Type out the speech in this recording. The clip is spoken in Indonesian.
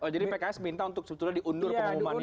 jadi pks minta untuk sebetulnya diundur pengumumannya